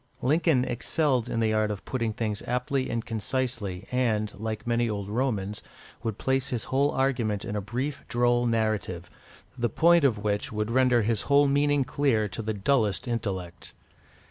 Lincoln excelled in the art of putting things aptly and concisely, and, like many old Romans, would place his whole argument in a brief droll narrative, the point of which would render his whole meaning clear to the dullest intellect.